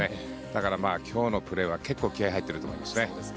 だから、今日のプレーは結構気合入っていると思いますね。